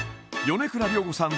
米倉涼子さん